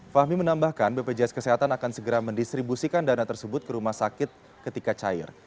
fahmi menambahkan bpjs kesehatan akan segera mendistribusikan dana tersebut ke rumah sakit ketika cair